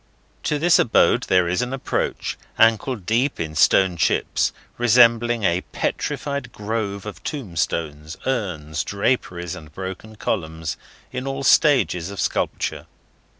To this abode there is an approach, ankle deep in stone chips, resembling a petrified grove of tombstones, urns, draperies, and broken columns, in all stages of sculpture.